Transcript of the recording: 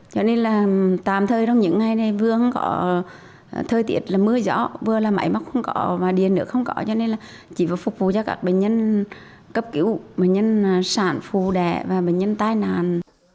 cho nên là tạm thời trong những ngày này vừa không có thơi tiệt là mưa gió vừa là máy móc không có và điện nước không có cho nên là chị vừa phục vụ cho các bệnh nhân cấp cứu bệnh nhân sản phù đẻ và bệnh nhân tai nàn